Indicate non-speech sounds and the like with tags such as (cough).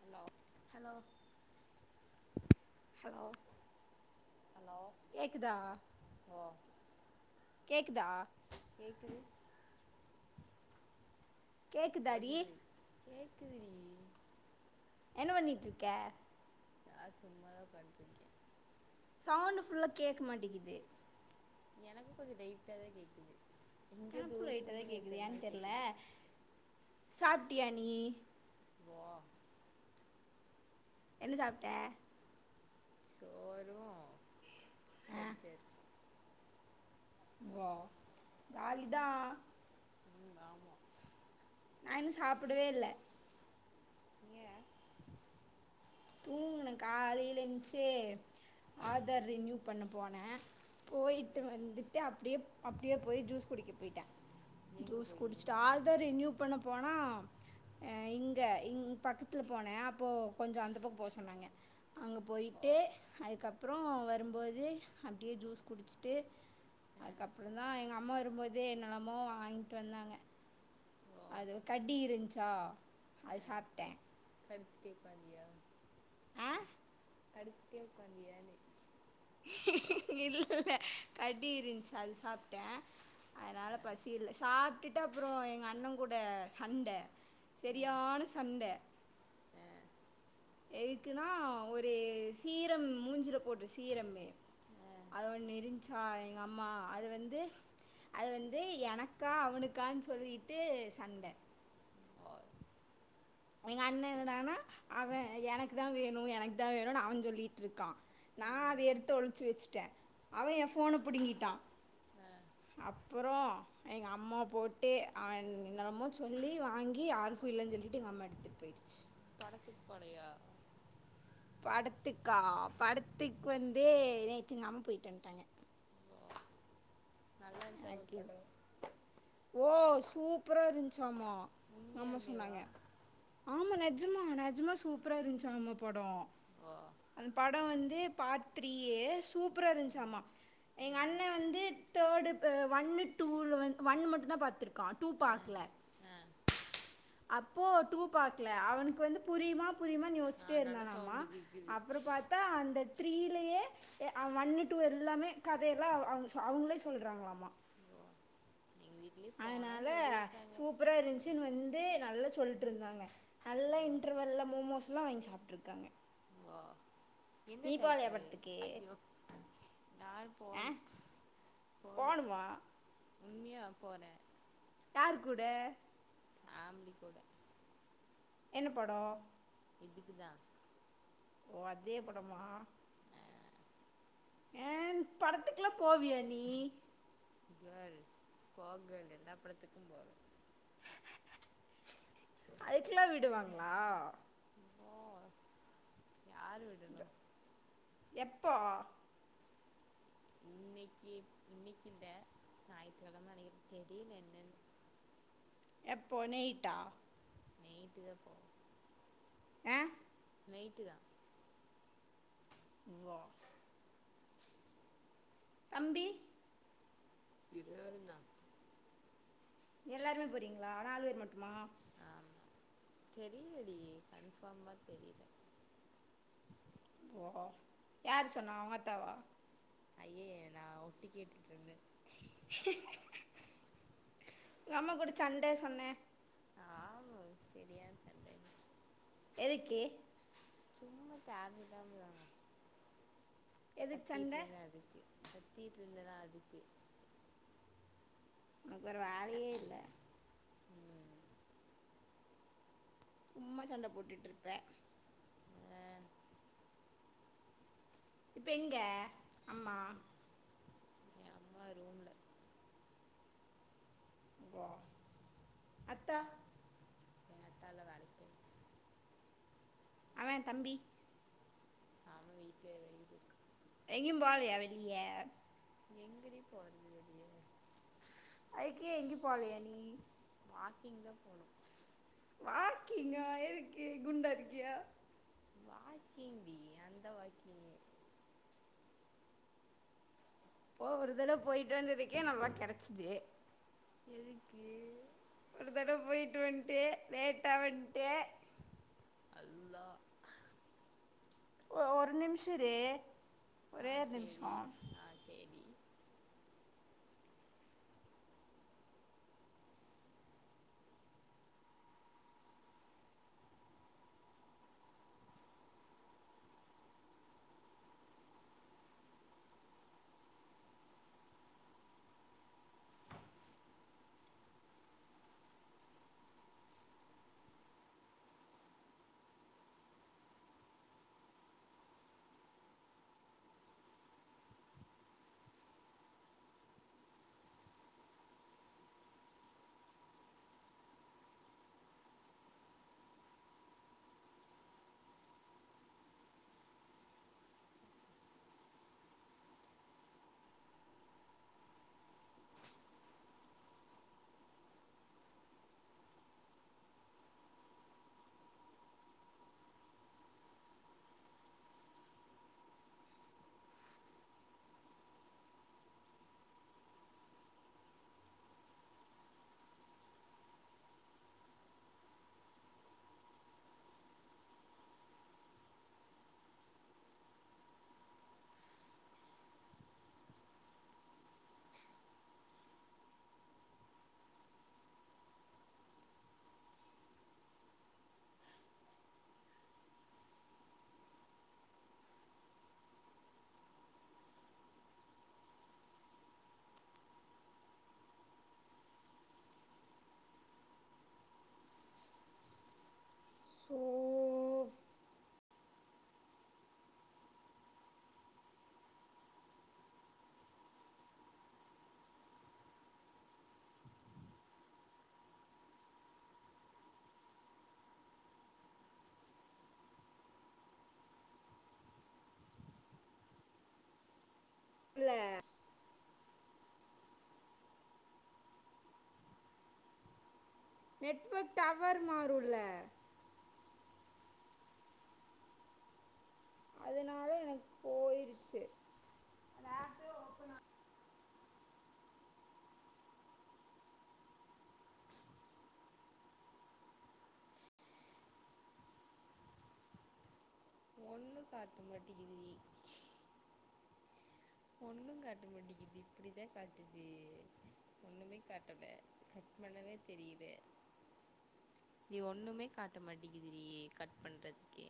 hello hello hello hello கேக்குதா ஓ கேக்குதா கேக்குது (unintelligible) கே கேக்குதாடி க்குது டி என்ன பண்ணிட்டுருக்க நா சும்மாதா படுத்துருக்கே சவுண்டு ஃபுல்லா கேட்க மாட்டிக்குது எனக்கும் கொஞ்சொ டைட்டாதா கேக்குது எங்கேயோ எனக்கு லைட்டாதா தூரத்துலருந்து பேசுற கேக்குது ஏன்னு மாரி தெர்ல கேக்குது சாப்டியா நீ ஓ என்ன சாப்ட்ட சோறு (unintelligible) ஓ ஜாலிதா ம் ஆமா நா இன்னு சாப்டவே இல்ல ஏ தூங்குன காலையில எந்ச்சு ஆதார் ரினியூ பண்ண போன போயிட்டு ம் வந்துட்டு அப்டியே அப்டியே போயி ஜூஸ் குடிக்க போயிட்ட எங்க ஜூஸ் போயி குடிச்சுட்டு ஆதார் ரினியூ பண்ண போனா அ இங்க இங் பக்கத்துல போன அப்போ கொஞ்சம் அந்த அப்ப போ சொன்னாங்க அங்க ஓ போயிட்டு அதுக்கப்பறோ வரும்போது அப்டியே ஜூஸ் குடிச்சுட்டு ஆ அதுக்கப்பறோந்தா எங்க அம்மா வரும்போது என்னல்லமோ வாங்கிட்டு வந்தாங்க ஓ ஆ அது கடி இருந்துச்சா அது சாப்ட்டே லிப்ஸ்டிக் (unintelligible) ஆ கடிச்சுக்க (unintelligible) நீ இல்ல கடி இருந்துச்சி அது சாப்பிட்டே அதனால ஆ பசி இல்ல சாப்ட்டுட்டு அப்புறோ எங்க அண்ண கூட சண்ட ஆ செரியான சண்ட ஆ எதுக்குன்னா ஒரு சீரம் மூஞ்சில போட்டு சீரம் ஆ அத ஒன்னு இரிஞ்ச்சா எங்க அம்மா அது வந்து அது வந்து எனக்கா அவனுக்கானு சொல்லிட்டு சண்ட ஓ எங்க அண்ண என்னடனா அவெ எனக்குதா வேணு எனக்குதா வேணுனு அவெ சொல்லிட்டு இருக்கா நா அத ம் எடுத்து ஒழிச்சு வச்சுட்ட அவெ எ ஃபோன புடுங்கிட்டா ஆ அப்பறொ எங்க அம்மா போட்டு அவெ என் என்னலாமோ சொல்லி வாங்கி யாருக்கு இல்லன்னு சொல்லிட்டு எங்க அம்மா எடுத் ட்டு போயிடுச்சு படத்துக்கு போலயா படத்துக்கா படத்துக்கு வந்து நேத்து எங்கம போயிட்டு வந்ட்டாங்க நல்லாருஞ்ச்சாமா படோ ஓ சூப்பரா இருந்துச்சாமா ஆமா உண்மையாலுமேவா சொன்னாங்க ஆமா நேத் நஜ்மா நெஜமா சூப்பரா இருந்துச்சாம்மா படொ ஓ அந்த படொ வந்து பார்ட் த்ரீயே சூப்பரா இருந்துச்சாம்மா ஆ எங்க அண்ண வந்து தேடு வ ஒன்னு டூ ல வந்து ஒன்னு மட்டுதா பாத்திருக்கா டூ பாக்கல ஆ அப்போ டூ பாக்கல அவனுக்கு வந்து புரியுமா புரியுமா தெ ஆ யோசிச்சுட்டே நல்ல இருந்தானாம்ம சவுண்டு கேக்குது அப்பறொ பாத்தா அந்த த்ரி ல்லயே அ ஒன்னு டூ எல்லாமே கதையெல்லா அவ் அவங் சொ அவங்களே சொ சொல்றாங்களாமா ஓ எங்க வீட்லயு அதனால போலான்னு சொல்லியிருக்காங்க சூப்பரா இருந்ச்சுன்னு வந்து நல்ல சொல்ட்டு இருந்தாங்க நல்லா ஓ இன்டர்வல்ல மோமோஸ்ல்லா வாங்கி சாப்ட்டுருக்காங்க ஆ எந்த தேட்டரு படத்துக்கு ஐயோ நான் ஆ போனு போனு போணுமா உண்மியா போற யாரு கூட ஆம்ப்டி கூட என்ன படொ இதுக்குதா ஓ அதே படமா ஏ படத்துக்குல்லா போவியா நீ கேர்ள் போ கேர்ள் எல்லா படத்துக்கும் போவ அதுக்குலா விடுவாங்களா ஓ யாரு விடணு எப்போ இன்னிக்கு இன்னிக்கு இந்த நாயித்துக் கெழமன்னைக்கு தெரியல என்னனு எப்போ நெயிட்டா நைட்டுதா போ ஆ நைட்டுதா வா தம்பி இது வரிந்தா எல்லாருமே போறீங்ளா நாலு பேர் மட்டுமா தெரியிலடி கன்ஃபார்மா தெரியில யாரு சொன்னா உங்காத்தாவா ஐயய்ய நா ஒட்டுக் கேட்டுட்ருந்தே உங்க அம்மா கூட சண்ட சொன்ன ஆமா செரியான சண்ட இன்னக்கி எதுக்கு சும்மா தேவயில்லாமாதா எதுக்கு சண்டை கத்தியிட்ருந்த அதுக்கு கத்தியிட்ருந்தனா அதுக்கு ஒனக்கு வேற வேலையே இல்ல ம் சும்மா சண்ட போட்டுட்ருப்ப ஆ இப்ப எங்க ஆமா ஆ ரூம்ல வா அத்தா அத்தால்லா வேலைக் போயிட்சி அவெ தம்பி வீட்ல (unintelligible) எங்கயும் போலையா வெளிய எங்கடி போறது வெளிய அதுக்கு எங்கியும் போலையா நீ வாக்கிங்தா போணு வாக்கிங்கா எதுக்கு குண்டா இருக்கியா வாக்கிங்டி அந்த வாக்கிங் போ ஒரு தடவ போயிட்டு வந்ததுக்கே நல்லா கெடச்சுது எதுக்கு ஒரு தடவ போயிட்டு வன்ட்டு லேட்டா வன்ட்டு அல்லா ஒ ஒரு நிம்ஷொ இரு ஆ ஒரே ஒர் நிமிஷொ சரி ஆ சரி சூ ல நெட்வொர்க் டவர் மாறுல்ல அதுனால எனக்கு போயிருச்சி அந்த ஆப்பே ஓப்பன் ஆ ஒண்ணு காட்ட மாட்டகிதிடி ஒண்ணுங் காட்ட மாட்டிகிதி இப்டிதா காட்டுது ஒண்ணுமே காட்டல கட் பண்ணவே தெரியிதே நீ ஒண்ணுமே காட்ட மாட்டிகிதுடி கட் பண்றதுக்கே